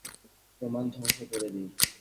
প্রমাণ ধ্বংস করে দেই।